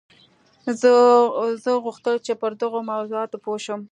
زه غوښتل چې پر دغو موضوعاتو پوه شم